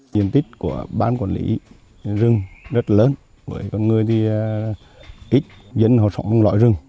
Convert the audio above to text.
nhiềm tích của ban quản lý rừng rất lớn bởi con người thì ít dẫn họ sống trong loại rừng